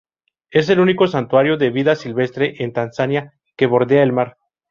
Es el único santuario de vida silvestre en Tanzania que bordea el mar.